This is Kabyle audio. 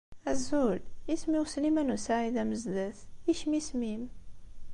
Azul. Isem-iw Sliman u Saɛid Amezdat. I kemm isem-im?